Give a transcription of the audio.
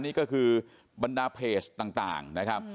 นี่ก็คือบรรดาเพจต่างนะครับ